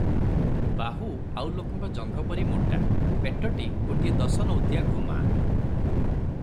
ବାହୁ ଆଉ ଲୋକଙ୍କ ଜଙ୍ଘ ପରି ମୋଟା, ପେଟଟି ଗୋଟିଏ ଦଶ ନୌତିଆ ଘୁମା ।